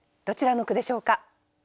どちらの句でしょうか？